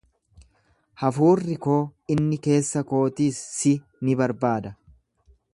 Hafuurri koo inni keessa kootiis si ni barbaada.